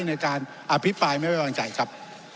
ในการอภิปรายไม่ไว้วางใจครับ